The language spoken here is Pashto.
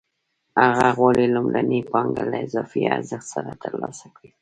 هغه غواړي لومړنۍ پانګه له اضافي ارزښت سره ترلاسه کړي